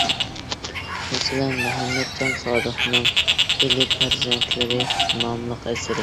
مەسىلەن: مۇھەممەتجان سادىقنىڭ «ئىلى پەرزەنتلىرى» ناملىق ئەسىرى.